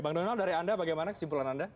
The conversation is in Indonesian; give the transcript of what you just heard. bang donald dari anda bagaimana kesimpulan anda